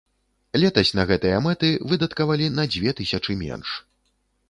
Летась на гэтыя мэты выдаткавалі на дзве тысячы менш.